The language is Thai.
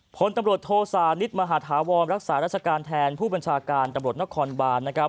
ผลตำรวจโทษานิทมหาธาวรรักษาราชการแทนผู้บัญชาการตำรวจนครบานนะครับ